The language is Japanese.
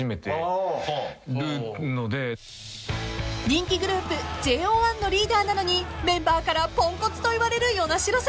［人気グループＪＯ１のリーダーなのにメンバーからポンコツと言われる與那城さん］